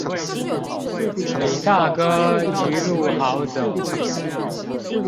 李大哥一路好走